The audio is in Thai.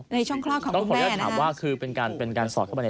ในช่องคลอดของคุณแม่นะคะ